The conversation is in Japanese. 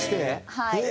はい。